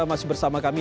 masih bersama kami